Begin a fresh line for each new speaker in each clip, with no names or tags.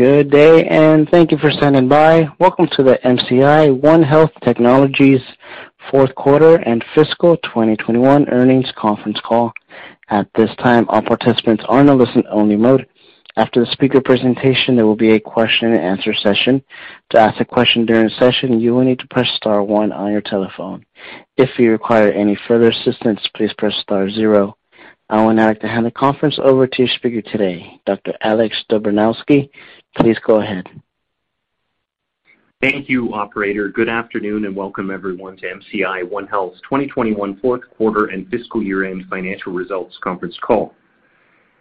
Good day, thank you for standing by. Welcome to the MCI Onehealth Technologies Fourth Quarter and Fiscal 2021 Earnings Conference Call. At this time, all participants are in a listen only mode. After the speaker presentation, there will be a question and answer session. To ask a question during the session, you will need to press star one on your telephone. If you require any further assistance, please press star zero. I will now hand the conference over to your speaker today, Dr. Alex Dobranowski. Please go ahead.
Thank you, operator. Good afternoon, and welcome everyone to MCI Onehealth's 2021 Fourth Quarter and Fiscal Year-End Financial Results Conference Call.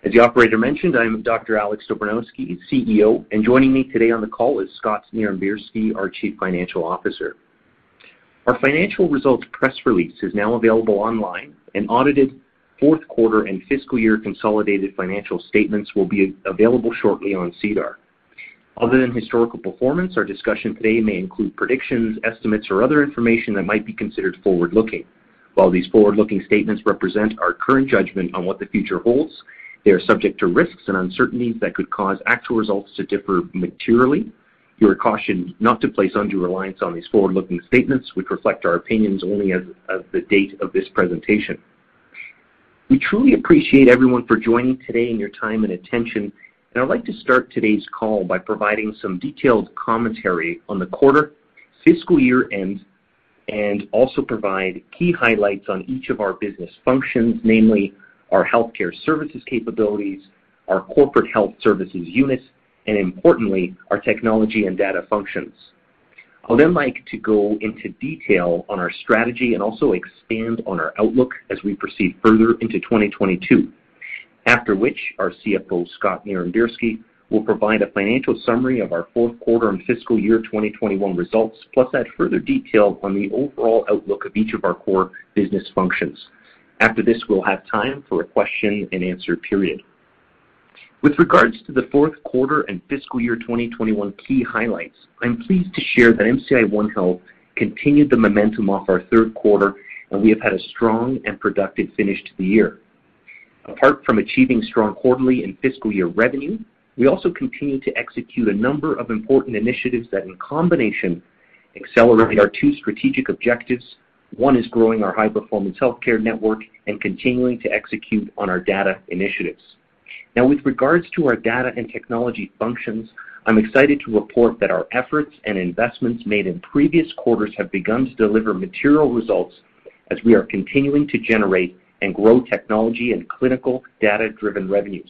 As the operator mentioned, I am Dr. Alex Dobranowski, CEO, and joining me today on the call is Scott Nirenberski, our Chief Financial Officer. Our financial results press release is now available online. An audited fourth quarter and fiscal year consolidated financial statements will be available shortly on SEDAR. Other than historical performance, our discussion today may include predictions, estimates, or other information that might be considered forward-looking. While these forward-looking statements represent our current judgment on what the future holds, they are subject to risks and uncertainties that could cause actual results to differ materially. You are cautioned not to place undue reliance on these forward-looking statements, which reflect our opinions only as of the date of this presentation. We truly appreciate everyone for joining today and your time and attention. I'd like to start today's call by providing some detailed commentary on the quarter fiscal year end, and also provide key highlights on each of our business functions, namely our healthcare services capabilities, our corporate health services units, and importantly, our technology and data functions. I'll then like to go into detail on our strategy and also expand on our outlook as we proceed further into 2022. After which, our CFO, Scott Nirenberski, will provide a financial summary of our fourth quarter and fiscal year 2021 results, plus add further detail on the overall outlook of each of our core business functions. After this, we'll have time for a question and answer period. With regards to the fourth quarter and fiscal year 2021 key highlights, I'm pleased to share that MCI Onehealth continued the momentum off our third quarter, and we have had a strong and productive finish to the year. Apart from achieving strong quarterly and fiscal year revenue, we also continued to execute a number of important initiatives that, in combination, accelerated our two strategic objectives. One is growing our high-performance healthcare network and continuing to execute on our data initiatives. Now, with regards to our data and technology functions, I'm excited to report that our efforts and investments made in previous quarters have begun to deliver material results as we are continuing to generate and grow technology and clinical data-driven revenues.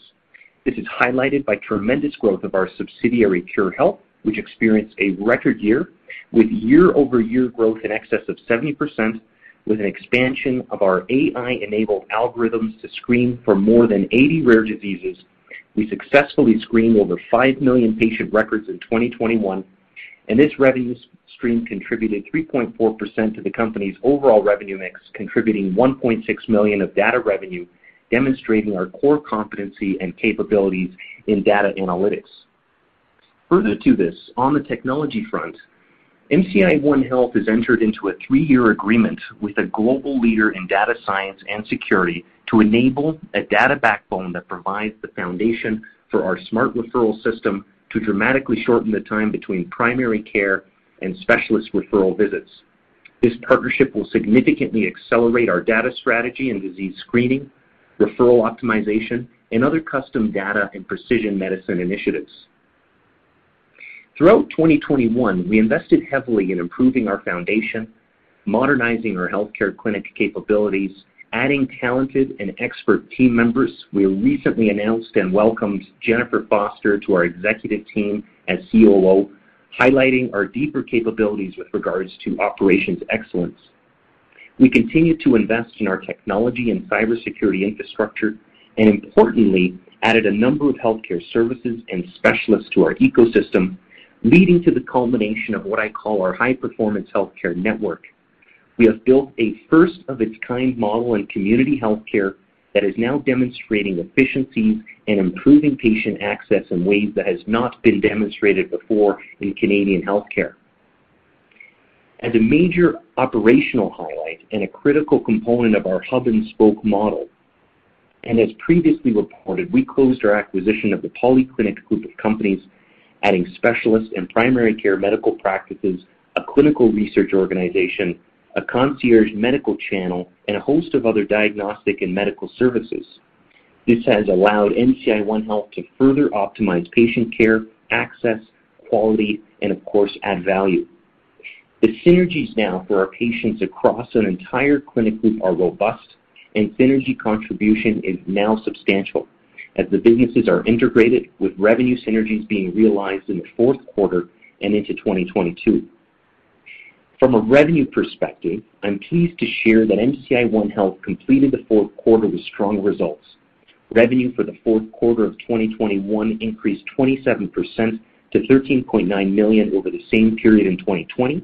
This is highlighted by tremendous growth of our subsidiary, Khure Health, which experienced a record year with year-over-year growth in excess of 70%. With an expansion of our AI-enabled algorithms to screen for more than 80 rare diseases, we successfully screened over 5 million patient records in 2021, and this revenue stream contributed 3.4% to the company's overall revenue mix, contributing 1.6 million of data revenue, demonstrating our core competency and capabilities in data analytics. Further to this, on the technology front, MCI Onehealth has entered into a three-year agreement with a global leader in data science and security to enable a data backbone that provides the foundation for our smart referral system to dramatically shorten the time between primary care and specialist referral visits. This partnership will significantly accelerate our data strategy in disease screening, referral optimization, and other custom data and precision medicine initiatives. Throughout 2021, we invested heavily in improving our foundation, modernizing our healthcare clinic capabilities, adding talented and expert team members. We recently announced and welcomed Jennifer Foster to our executive team as COO, highlighting our deeper capabilities with regards to operations excellence. We continued to invest in our technology and cybersecurity infrastructure, and importantly, added a number of healthcare services and specialists to our ecosystem, leading to the culmination of what I call our high-performance healthcare network. We have built a first of its kind model in community healthcare that is now demonstrating efficiencies and improving patient access in ways that has not been demonstrated before in Canadian healthcare. As a major operational highlight and a critical component of our hub and spoke model, and as previously reported, we closed our acquisition of the Polyclinic group of companies, adding specialists and primary care medical practices, a clinical research organization, a concierge medical channel, and a host of other diagnostic and medical services. This has allowed MCI Onehealth to further optimize patient care, access, quality, and of course, add value. The synergies now for our patients across an entire clinic group are robust, and synergy contribution is now substantial as the businesses are integrated with revenue synergies being realized in the fourth quarter and into 2022. From a revenue perspective, I'm pleased to share that MCI Onehealth completed the fourth quarter with strong results. Revenue for the fourth quarter of 2021 increased 27% to 13.9 million over the same period in 2020,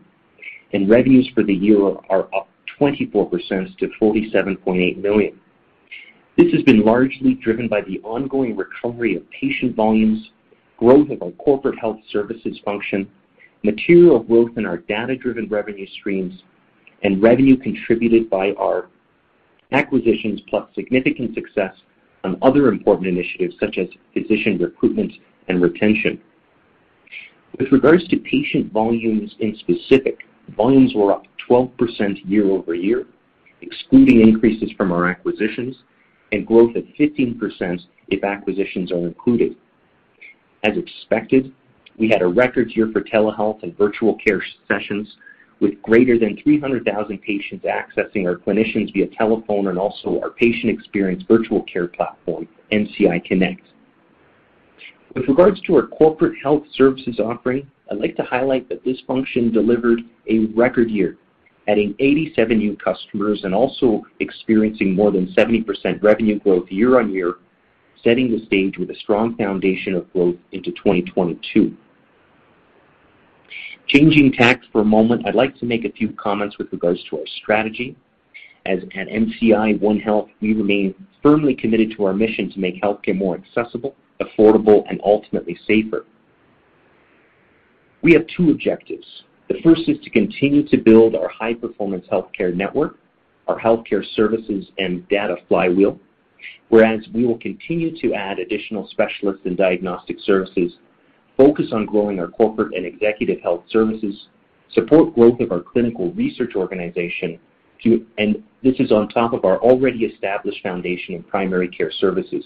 and revenues for the year are up 24% to 47.8 million. This has been largely driven by the ongoing recovery of patient volumes, growth of our corporate health services function, material growth in our data-driven revenue streams, and revenue contributed by our acquisitions plus significant success on other important initiatives such as physician recruitment and retention. With regards to patient volumes specifically, volumes were up 12% year-over-year, excluding increases from our acquisitions and growth at 15% if acquisitions are included. As expected, we had a record year for telehealth and virtual care sessions with greater than 300,000 patients accessing our clinicians via telephone and also our patient experience virtual care platform, MCI Connect. With regards to our corporate health services offering, I'd like to highlight that this function delivered a record year, adding 87 new customers and also experiencing more than 70% revenue growth year-on-year, setting the stage with a strong foundation of growth into 2022. Changing tack for a moment, I'd like to make a few comments with regards to our strategy. As at MCI Onehealth, we remain firmly committed to our mission to make healthcare more accessible, affordable, and ultimately safer. We have two objectives. The first is to continue to build our high-performance healthcare network, our healthcare services, and data flywheel. We will continue to add additional specialists and diagnostic services, focus on growing our corporate and executive health services, support growth of our clinical research organization, and this is on top of our already established foundation of primary care services.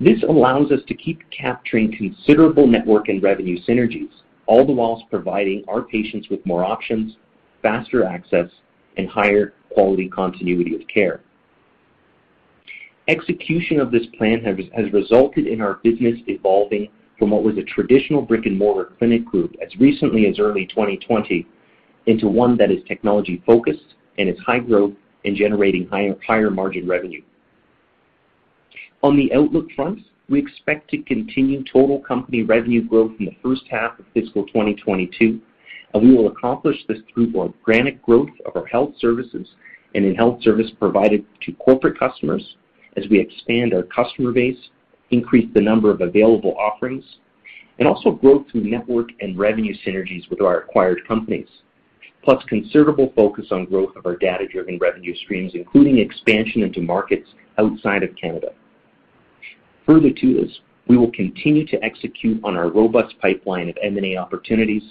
This allows us to keep capturing considerable network and revenue synergies, all the while providing our patients with more options, faster access, and higher quality continuity of care. Execution of this plan has resulted in our business evolving from what was a traditional brick-and-mortar clinic group as recently as early 2020 into one that is technology-focused and is high growth in generating higher margin revenue. On the outlook front, we expect to continue total company revenue growth in the first half of fiscal 2022, and we will accomplish this through organic growth of our health services and in health service provided to corporate customers as we expand our customer base, increase the number of available offerings, and also growth through network and revenue synergies with our acquired companies, plus considerable focus on growth of our data-driven revenue streams, including expansion into markets outside of Canada. Further to this, we will continue to execute on our robust pipeline of M&A opportunities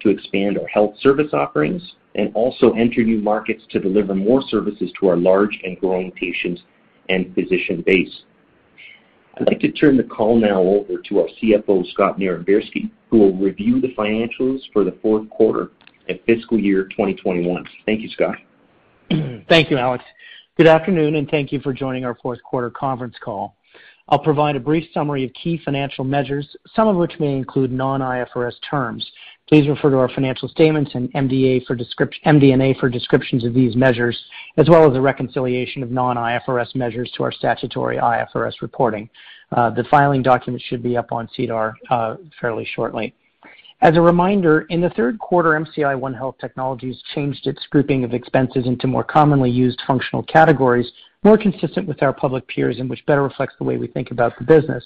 to expand our health service offerings and also enter new markets to deliver more services to our large and growing patients and physician base. I'd like to turn the call now over to our CFO, Scott Nirenberski, who will review the financials for the fourth quarter and fiscal year 2021. Thank you, Scott.
Thank you, Alex. Good afternoon, and thank you for joining our fourth quarter conference call. I'll provide a brief summary of key financial measures, some of which may include non-IFRS terms. Please refer to our financial statements and MD&A for descriptions of these measures, as well as a reconciliation of non-IFRS measures to our statutory IFRS reporting. The filing documents should be up on SEDAR fairly shortly. As a reminder, in the third quarter, MCI Onehealth Technologies changed its grouping of expenses into more commonly used functional categories, more consistent with our public peers, and which better reflects the way we think about the business.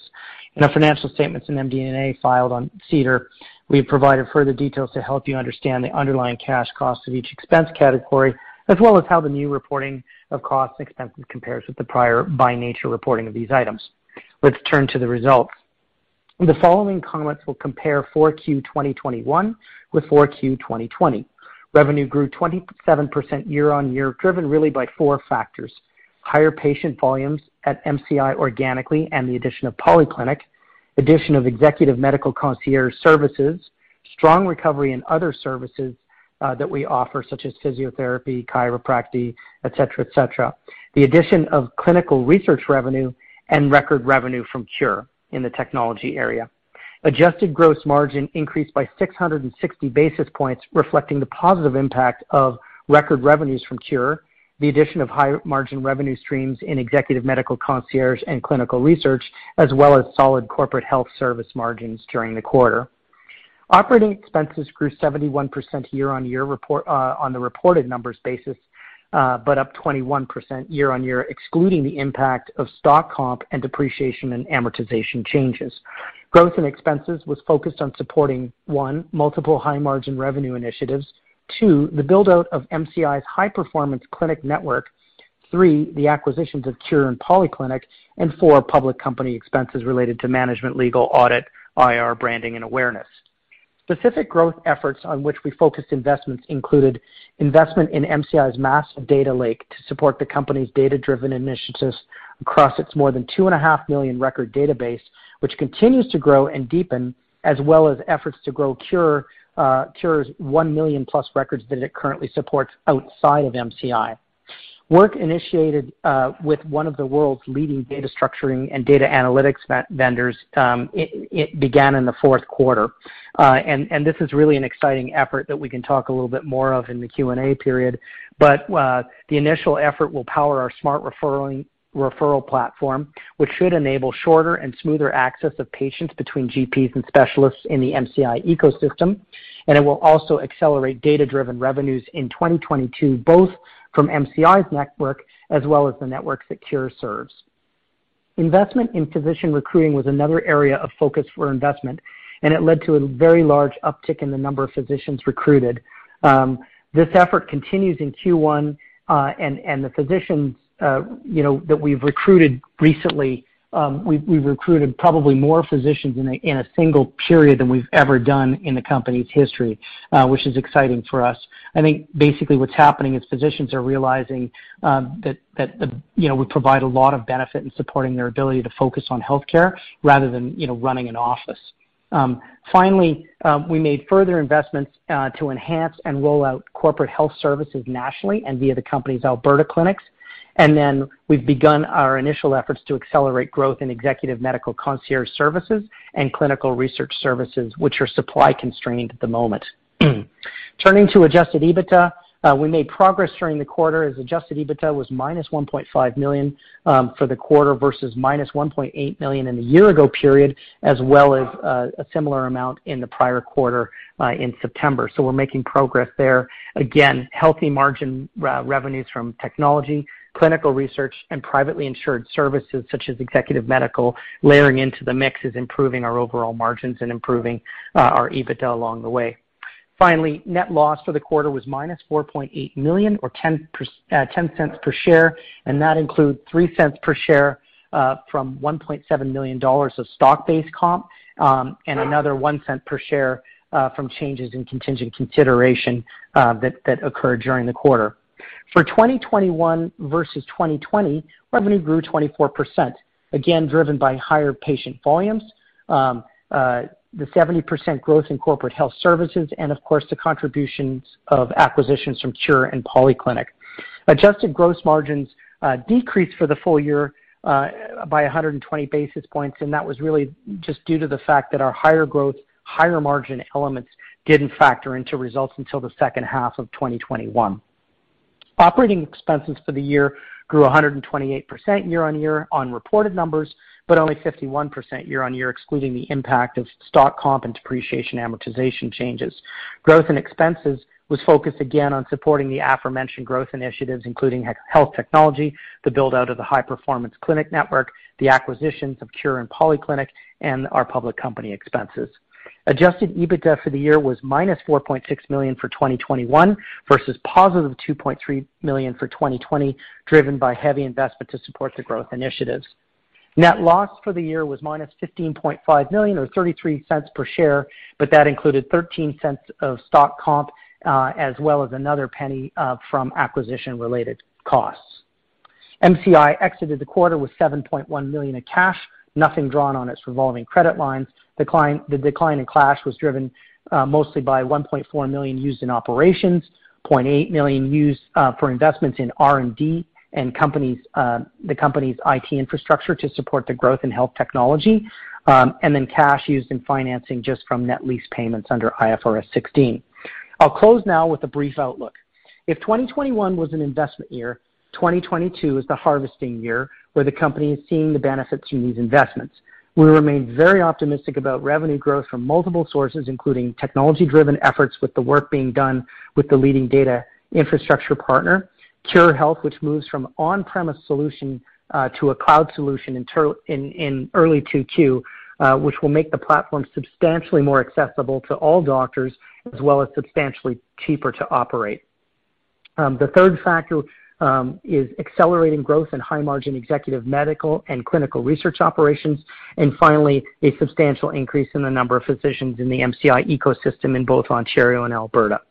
In our financial statements and MD&A filed on SEDAR, we have provided further details to help you understand the underlying cash costs of each expense category, as well as how the new reporting of costs expenses compares with the prior by nature reporting of these items. Let's turn to the results. The following comments will compare Q4 2021 with Q4 2020. Revenue grew 27% year-over-year, driven really by four factors. Higher patient volumes at MCI organically and the addition of Polyclinic, addition of executive medical concierge services, strong recovery in other services, that we offer, such as physiotherapy, chiropractic, et cetera. The addition of clinical research revenue and record revenue from Khure in the technology area. Adjusted gross margin increased by 660 basis points, reflecting the positive impact of record revenues from Khure, the addition of higher margin revenue streams in executive medical concierge and clinical research, as well as solid corporate health service margins during the quarter. Operating expenses grew 71% year-on-year reported on the reported numbers basis, but up 21% year-on-year, excluding the impact of stock comp and depreciation and amortization changes. Growth in expenses was focused on supporting one, multiple high margin revenue initiatives. Two, the build-out of MCI's high-performance clinic network. Three, the acquisitions of Khure and Polyclinic. Four, public company expenses related to management, legal, audit, IR branding and awareness. Specific growth efforts on which we focused investments included investment in MCI's data lake to support the company's data-driven initiatives across its more than 2.5 million record database, which continues to grow and deepen, as well as efforts to grow Khure's 1 million+ records that it currently supports outside of MCI. Work initiated with one of the world's leading data structuring and data analytics vendors. It began in the fourth quarter. This is really an exciting effort that we can talk a little bit more of in the Q&A period. The initial effort will power our smart referral system, which should enable shorter and smoother access of patients between GPs and specialists in the MCI ecosystem. It will also accelerate data-driven revenues in 2022, both from MCI's network as well as the network that Khure serves. Investment in physician recruiting was another area of focus for investment, and it led to a very large uptick in the number of physicians recruited. This effort continues in Q1. The physicians, you know, that we've recruited recently, we've recruited probably more physicians in a single period than we've ever done in the company's history, which is exciting for us. I think basically what's happening is physicians are realizing that, you know, we provide a lot of benefit in supporting their ability to focus on health care rather than, you know, running an office. Finally, we made further investments to enhance and roll out corporate health services nationally and via the company's Alberta clinics. Then we've begun our initial efforts to accelerate growth in executive medical concierge services and clinical research services, which are supply constrained at the moment. Turning to Adjusted EBITDA, we made progress during the quarter as Adjusted EBITDA was -1.5 million for the quarter versus -1.8 million in the year ago period, as well as a similar amount in the prior quarter in September. We're making progress there. Again, healthy margin revenues from technology, clinical research and privately insured services such as executive medical layering into the mix is improving our overall margins and improving our EBITDA along the way. Finally, net loss for the quarter was -4.8 million or 0.10 per share, and that includes 0.03 per share from 1.7 million dollars of stock-based comp, and another 0.01 per share from changes in contingent consideration that occurred during the quarter. For 2021 versus 2020, revenue grew 24%, again driven by higher patient volumes, the 70% growth in corporate health services and of course, the contributions of acquisitions from Khure and Polyclinic. Adjusted gross margins decreased for the full year by 120 basis points, and that was really just due to the fact that our higher growth, higher margin elements didn't factor into results until the second half of 2021. Operating expenses for the year grew 128% year-over-year on reported numbers, but only 51% year-over-year, excluding the impact of stock comp and depreciation amortization changes. Growth and expenses was focused again on supporting the aforementioned growth initiatives, including HEALWELL technology, the build-out of the high-performance clinic network, the acquisitions of Khure and Polyclinic and our public company expenses. Adjusted EBITDA for the year was -4.6 million for 2021 versus +2.3 million for 2020, driven by heavy investment to support the growth initiatives. Net loss for the year was -15.5 million or 0.33 per share, but that included 0.13 of stock comp as well as another CAD 0.01 from acquisition related costs. MCI exited the quarter with 7.1 million in cash, nothing drawn on its revolving credit lines. The decline in cash was driven mostly by 1.4 million used in operations, 0.8 million used for investments in R&D and the company's IT infrastructure to support the growth in health technology, and then cash used in financing just from net lease payments under IFRS 16. I'll close now with a brief outlook. If 2021 was an investment year, 2022 is the harvesting year where the company is seeing the benefits from these investments. We remain very optimistic about revenue growth from multiple sources, including technology driven efforts with the work being done with the leading data infrastructure partner, Khure Health, which moves from on-premise solution to a cloud solution in early 2022, which will make the platform substantially more accessible to all doctors as well as substantially cheaper to operate. The third factor is accelerating growth in high margin executive medical and clinical research operations, and finally, a substantial increase in the number of physicians in the MCI ecosystem in both Ontario and Alberta.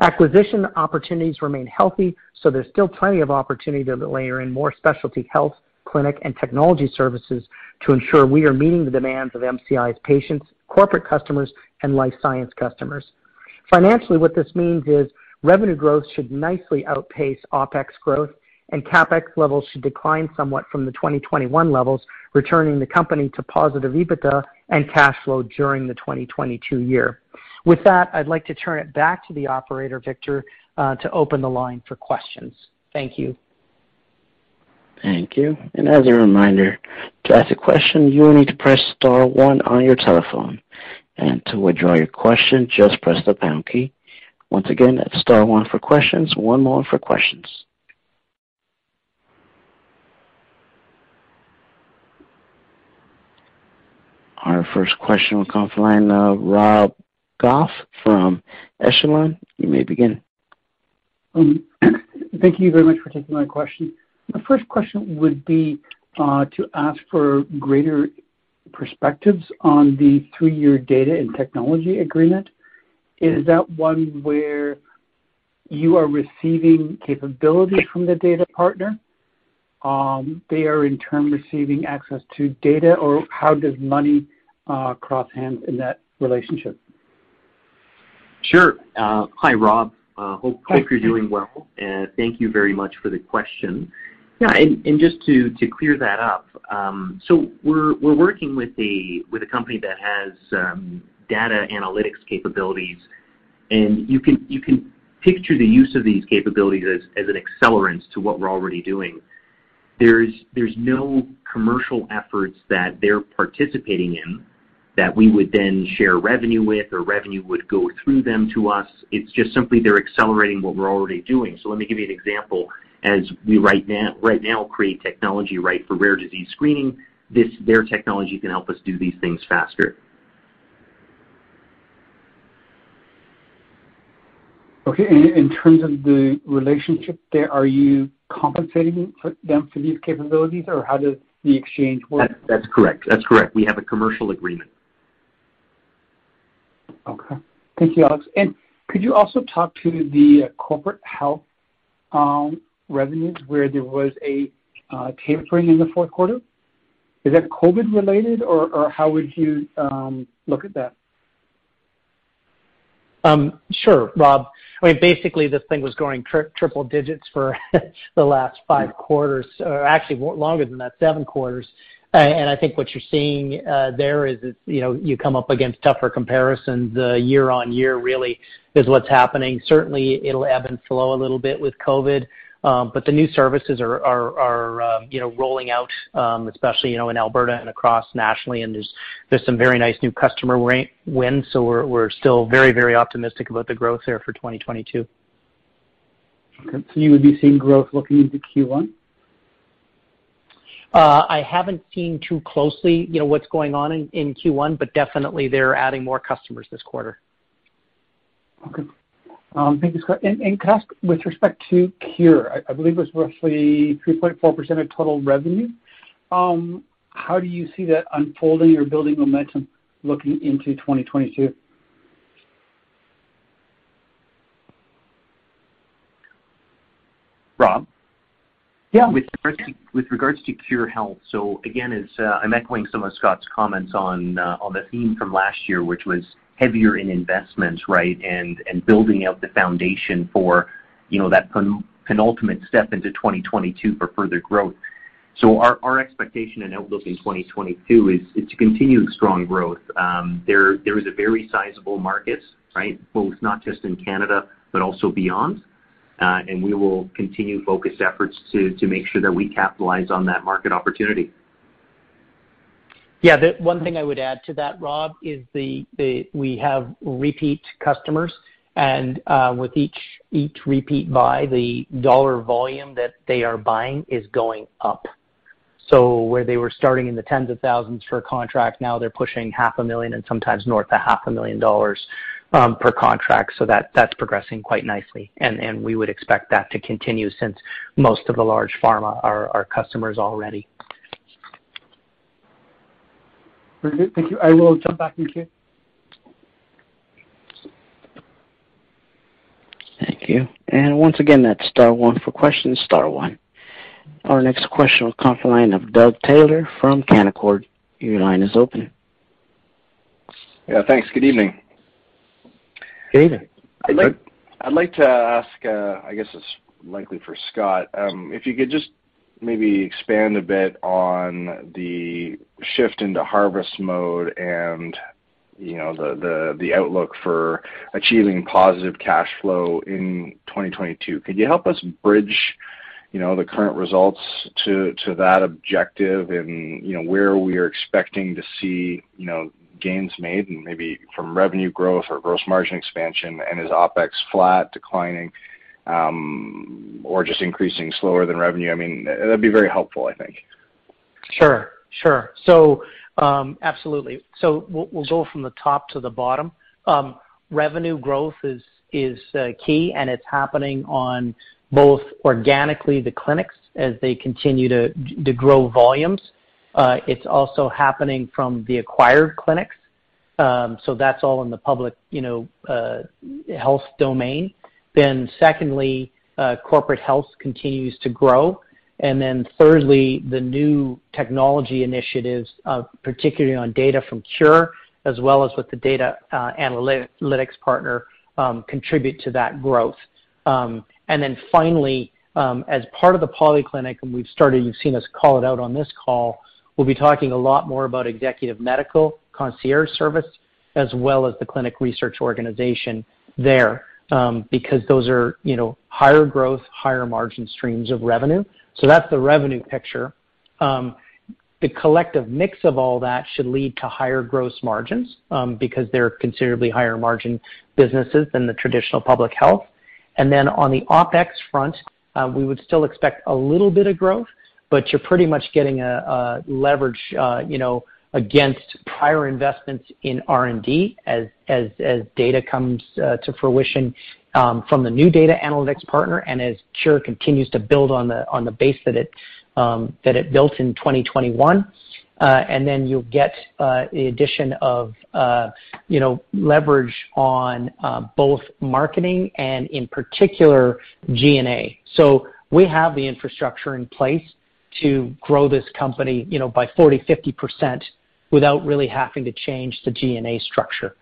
Acquisition opportunities remain healthy, so there's still plenty of opportunity to layer in more specialty health clinic and technology services to ensure we are meeting the demands of MCI's patients, corporate customers and life science customers. Financially, what this means is revenue growth should nicely outpace OpEx growth and CapEx levels should decline somewhat from the 2021 levels, returning the company to positive EBITDA and cash flow during the 2022 year. With that, I'd like to turn it back to the operator, Victor, to open the line for questions. Thank you.
Thank you. As a reminder, to ask a question, you will need to press star one on your telephone. To withdraw your question, just press the pound key. Once again, that's star one for questions. One more for questions. Our first question will come from the line of Rob Goff from Echelon. You may begin.
Thank you very much for taking my question. My first question would be to ask for greater perspectives on the three-year data and technology agreement. Is that one where you are receiving capabilities from the data partner? They are in turn receiving access to data or how does money cross hands in that relationship?
Sure. Hi, Rob.
Hi.
Hope you're doing well. Thank you very much for the question. Just to clear that up. We're working with a company that has data analytics capabilities, and you can picture the use of these capabilities as an accelerant to what we're already doing. There's no commercial efforts that they're participating in. That we would then share revenue with or revenue would go through them to us. It's just simply they're accelerating what we're already doing. Let me give you an example. As we right now create technology, right, for rare disease screening, this their technology can help us do these things faster.
Okay. In terms of the relationship there, are you compensating for them for these capabilities or how does the exchange work?
That's correct. We have a commercial agreement.
Okay. Thank you, Alex. Could you also talk to the corporate health revenues where there was a tapering in the fourth quarter? Is that COVID related or how would you look at that?
Sure, Rob. I mean, basically this thing was growing triple digits for the last five quarters, or actually more longer than that, seven quarters. I think what you're seeing there is it's, you know, you come up against tougher comparisons year-on-year really is what's happening. Certainly it'll ebb and flow a little bit with COVID. The new services are, you know, rolling out, especially, you know, in Alberta and across nationally, and there's some very nice new customer wins. We're still very optimistic about the growth there for 2022.
Okay. You would be seeing growth looking into Q1?
I haven't seen too closely, you know, what's going on in Q1, but definitely they're adding more customers this quarter.
Okay. Thank you, Scott. Can I ask with respect to Khure? I believe it was roughly 3.4% of total revenue. How do you see that unfolding or building momentum looking into 2022?
Rob?
Yeah.
With regards to Khure Health, again, as I'm echoing some of Scott's comments on the theme from last year, which was heavier in investments, right? And building out the foundation for, you know, that penultimate step into 2022 for further growth. Our expectation and outlook in 2022 is to continue strong growth. There is a very sizable market, right? Both not just in Canada, but also beyond. We will continue focus efforts to make sure that we capitalize on that market opportunity.
Yeah. The one thing I would add to that, Rob, is that we have repeat customers and with each repeat buy the dollar volume that they are buying is going up. Where they were starting in CAD tens of thousands for a contract, now they're pushing half a million and sometimes north of half a million dollars per contract. That's progressing quite nicely. We would expect that to continue since most of the large pharma are our customers already.
Very good. Thank you. I will jump back in queue.
Thank you. Once again, that's star one for questions, star one. Our next question will come from the line of Doug Taylor from Canaccord. Your line is open.
Yeah, thanks. Good evening.
Good evening.
I'd like to ask, I guess it's likely for Scott, if you could just maybe expand a bit on the shift into harvest mode and the outlook for achieving positive cash flow in 2022. Could you help us bridge the current results to that objective and where we are expecting to see gains made and maybe from revenue growth or gross margin expansion and is OpEx flat declining or just increasing slower than revenue? I mean, that'd be very helpful, I think.
Sure. Absolutely. We'll go from the top to the bottom. Revenue growth is key and it's happening on both organically the clinics as they continue to grow volumes. It's also happening from the acquired clinics. That's all in the public, you know, health domain. Secondly, corporate health continues to grow. Thirdly, the new technology initiatives, particularly on data from Khure as well as with the data analytics partner, contribute to that growth. Finally, as part of the Polyclinic and we've started, you've seen us call it out on this call, we'll be talking a lot more about executive medical concierge service as well as the clinic research organization there. Because those are, you know, higher growth, higher margin streams of revenue. That's the revenue picture. The collective mix of all that should lead to higher gross margins, because they're considerably higher margin businesses than the traditional public health. On the OpEx front, we would still expect a little bit of growth, but you're pretty much getting a leverage, you know, against prior investments in R&D as data comes to fruition, from the new data analytics partner and as Khure continues to build on the base that it built in 2021. You'll get the addition of, you know, leverage on both marketing and in particular G&A. We have the infrastructure in place to grow this company, you know, by 40%-50% without really having to change the G&A structure.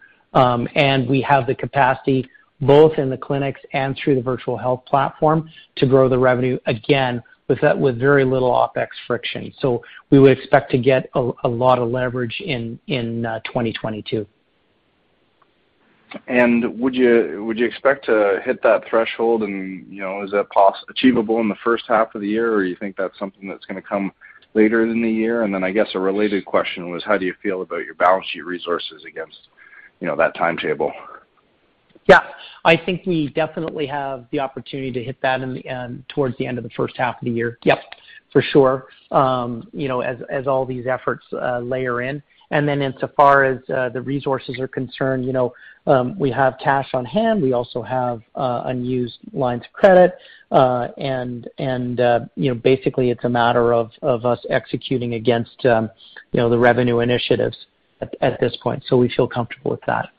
We have the capacity both in the clinics and through the virtual health platform to grow the revenue again with that, with very little OpEx friction. We would expect to get a lot of leverage in 2022.
Would you expect to hit that threshold and, you know, is that achievable in the first half of the year or you think that's something that's gonna come later in the year? I guess a related question was how do you feel about your balance sheet resources against, you know, that timetable?
Yeah. I think we definitely have the opportunity to hit that in the end, towards the end of the first half of the year. Yep, for sure. You know, as all these efforts layer in. Insofar as the resources are concerned, you know, we have cash on hand. We also have unused lines of credit. You know, basically it's a matter of us executing against you know, the revenue initiatives at this point. We feel comfortable with that.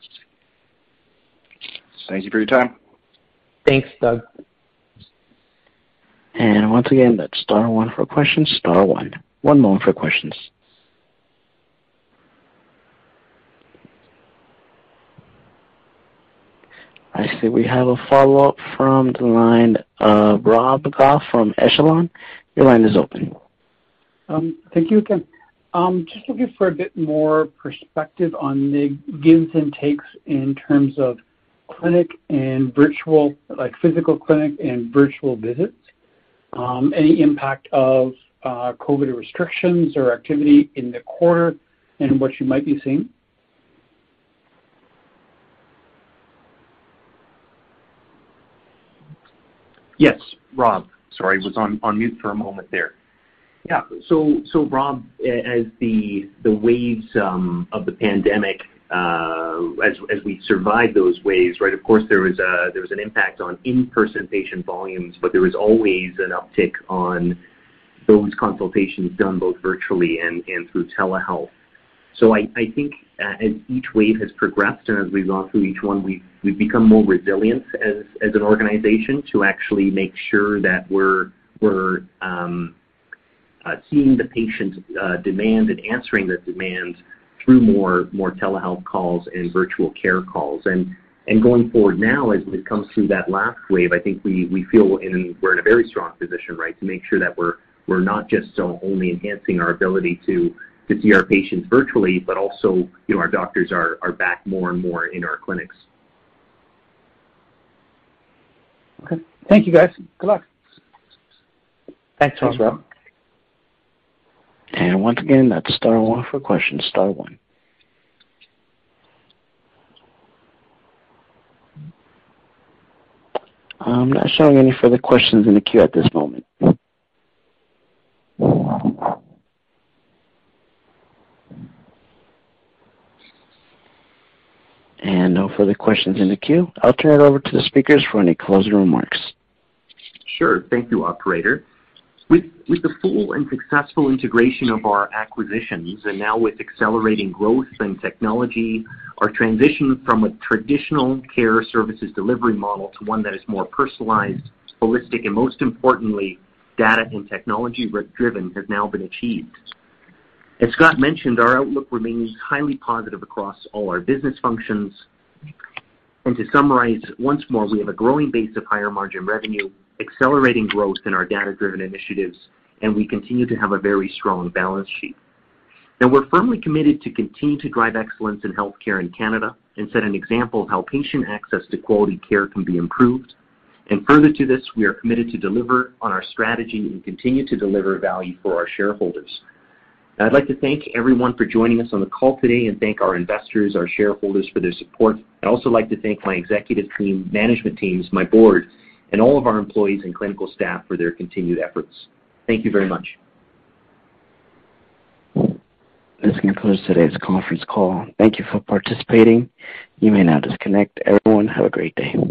Thank you for your time.
Thanks, Doug.
Once again, that's star one for questions, star one. One moment for questions. I see we have a follow-up from the line of Rob Goff from Echelon. Your line is open.
Thank you again. Just looking for a bit more perspective on the gives and takes in terms of clinic and virtual, like physical clinic and virtual visits. Any impact of COVID restrictions or activity in the quarter and what you might be seeing?
Yes, Rob. Sorry, I was on mute for a moment there. Yeah. Rob, as the waves of the pandemic, as we survive those waves, right, of course, there was an impact on in-person patient volumes, but there was always an uptick on those consultations done both virtually and through telehealth. I think, as each wave has progressed and as we've gone through each one, we've become more resilient as an organization to actually make sure that we're seeing the patient demand and answering the demand through more telehealth calls and virtual care calls. Going forward now, as we come through that last wave, I think we feel and we're in a very strong position, right, to make sure that we're not just so only enhancing our ability to see our patients virtually, but also, you know, our doctors are back more and more in our clinics.
Okay. Thank you, guys. Good luck.
Thanks.
Once again, that's star one for questions, star one. I'm not showing any further questions in the queue at this moment. No further questions in the queue. I'll turn it over to the speakers for any closing remarks.
Sure. Thank you, operator. With the full and successful integration of our acquisitions and now with accelerating growth and technology, our transition from a traditional care services delivery model to one that is more personalized, holistic, and most importantly, data and technology driven, has now been achieved. As Scott mentioned, our outlook remains highly positive across all our business functions. To summarize once more, we have a growing base of higher margin revenue, accelerating growth in our data-driven initiatives, and we continue to have a very strong balance sheet. Now we're firmly committed to continue to drive excellence in healthcare in Canada and set an example of how patient access to quality care can be improved. Further to this, we are committed to deliver on our strategy and continue to deliver value for our shareholders. I'd like to thank everyone for joining us on the call today and thank our investors, our shareholders for their support. I'd also like to thank my executive team, management teams, my board, and all of our employees and clinical staff for their continued efforts. Thank you very much.
This concludes today's conference call. Thank you for participating. You may now disconnect. Everyone, have a great day.